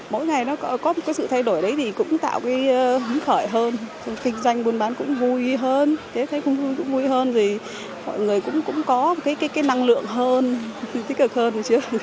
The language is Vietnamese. mỗi ngày nó có một cái sự thay đổi đấy thì cũng tạo cái hứng khởi hơn kinh doanh buôn bán cũng vui hơn thế thấy cũng vui hơn vì mọi người cũng có cái năng lượng hơn tích cực hơn